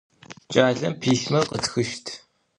Ç'aler pismer khıtxışt.